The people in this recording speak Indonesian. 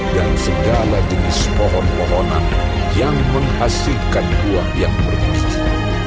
dan segala jenis pohon pohonan yang menghasilkan buah yang berbiji